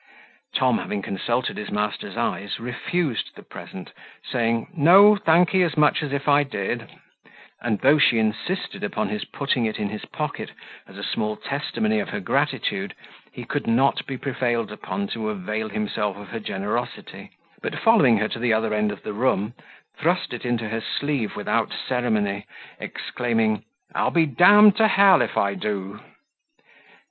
Tom, having consulted his master's eyes, refused the present, saying, "No, thank ye as much as if I did;" and though she insisted upon his putting it in his pocket, as a small testimony of her gratitude, he could not be prevailed upon to avail himself of her generosity; but following her to the other end of the room, thrust it into her sleeve without ceremony, exclaiming, "I'll be d d to hell if I do."